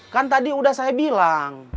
kan tadi udah saya bilang